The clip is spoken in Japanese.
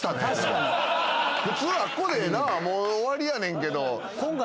普通あっこでもう終わりやねんけど。